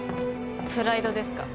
プライドですか。